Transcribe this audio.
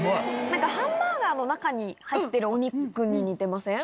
ハンバーガーの中に入ってるお肉に似てません？